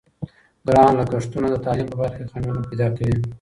ګران لګښتونه د تعلیم په برخه کې خنډونه پیدا کوي.